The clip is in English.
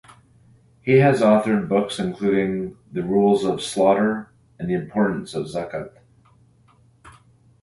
He has authored books including "The Rules of Slaughter" and "The Importance of Zakat".